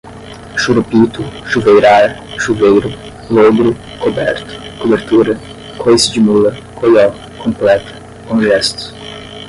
churupito, chuveirar, chuveiro, lôgro, coberto, cobertura, coice de mula, coió, completa, conjesta